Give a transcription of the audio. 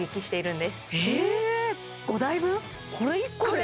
これ１個で？